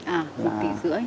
à một tỷ rưỡi